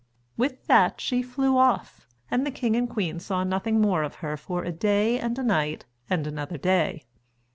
With that she flew off, and the king and queen saw nothing more of her for a day and a night and another day.